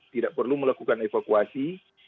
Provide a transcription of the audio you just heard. tidak perlu melakukan evakuasi